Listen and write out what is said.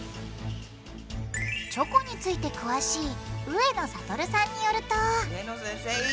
チョコについて詳しい上野聡さんによると上野先生！